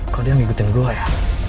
kok dia yang ngikutin gue ya